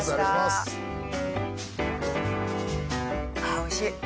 あおいしい